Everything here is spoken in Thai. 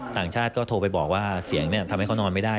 ต่างชาติก็โทรไปบอกว่าเขานอนไม่ได้